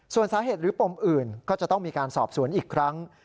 ส่วนสาเหตุหรือปมอื่นก็จะต้องมีการสอบสวนอีกครั้ง